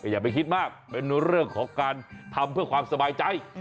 อย่าไปคิดมากเป็นเรื่องของการทำเพื่อความสบายใจ